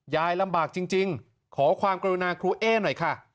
ยายลำบากจริงขอความกรุณาครูเอ๊หน่อยค่ะ